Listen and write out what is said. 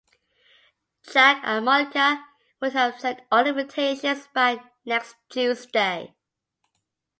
Jack and Monica will have sent all the invitations by next Tuesday.